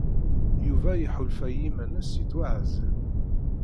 Yuba iḥulfa i yiman-nnes yettwaɛzel.